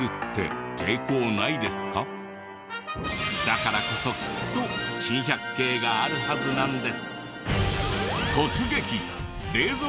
だからこそきっと珍百景があるはずなんです。